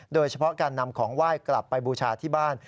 โดยเฉพาะการนำของไหว้กลับไปบูชาที่บ้าน